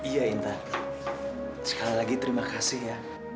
ya intan sekali lagi terima kasih ya